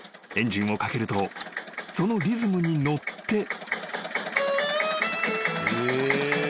［エンジンをかけるとそのリズムに乗って］